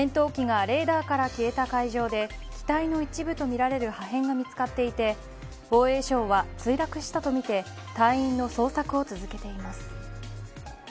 戦闘機がレーダーから消えた海上で機体の一部とみられる破片が見つかっていて防衛省は、墜落したとみて隊員の捜索を続けています。